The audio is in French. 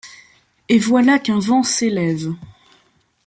Et voilà qu'un vent s'élève ;